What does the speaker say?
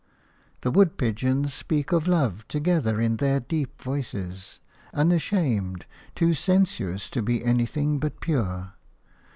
The wood pigeons speak of love together in their deep voices, unashamed, too sensuous to be anything but pure.